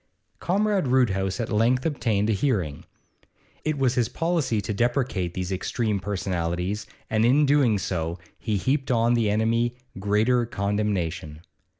Comrade Roodhouse at length obtained a hearing. It was his policy to deprecate these extreme personalities, and in doing so he heaped on the enemy greater condemnation.